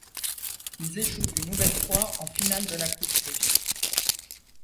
Ils échouent une nouvelle fois en finale de la coupe russe.